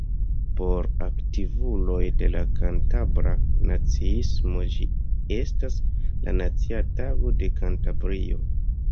Por aktivuloj de la kantabra naciismo ĝi estas la nacia tago de Kantabrio.